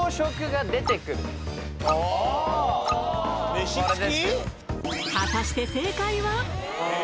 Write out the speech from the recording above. ああ果たして正解は？